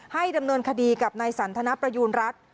ดำเนินคดีกับนายสันทนประยูณรัฐ